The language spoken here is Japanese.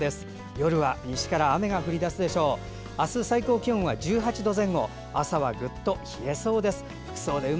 夜は西から雨が降り出すでしょう。